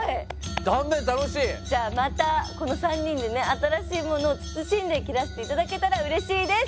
じゃあまたこの３人で新しいものをつつしんで切らしていただけたらうれしいです。